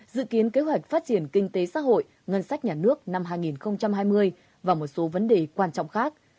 dự kiến kế hoạch phát triển kinh tế xã hội ngân sách nhà nước năm hai nghìn hai mươi và một số vấn đề quan trọng khác